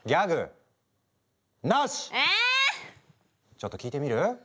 ちょっと聞いてみる？